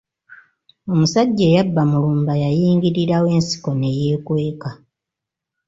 Omusajja eyabba Mulumba yayingirirawo ensiko ne yeekweka.